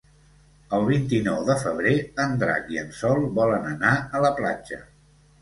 El vint-i-nou de febrer en Drac i en Sol volen anar a la platja.